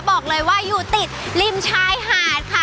บอกเลยว่าอยู่ติดริมชายหาดค่ะ